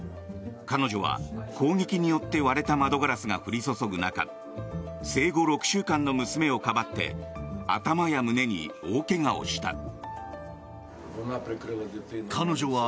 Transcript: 彼女は攻撃によって割れた窓ガラスが降り注ぐ中生後６週間の娘をかばって頭や胸に大怪我をした。